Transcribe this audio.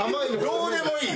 どうでもいい！